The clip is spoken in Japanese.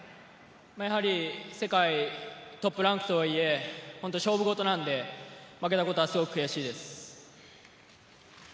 やはり世界トップランクとはいえ、勝負事なので、負けたことはすごく悔しいです。